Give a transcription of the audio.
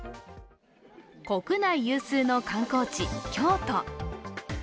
国内有数の観光地、京都。